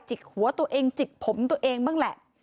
กหัวตัวเองจิกผมตัวเองบ้างแหละ